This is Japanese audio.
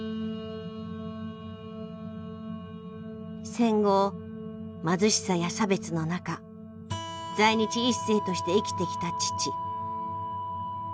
戦後貧しさや差別の中在日一世として生きてきた父。